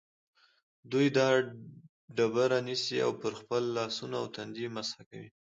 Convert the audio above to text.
دوی دا ډبره نیسي او پرې خپل لاسونه او تندی مسح کوي.